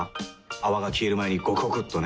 泡が消える前にゴクゴクっとね。